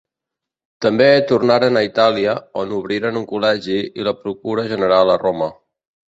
També tornaren a Itàlia, on obriren un col·legi i la procura general a Roma.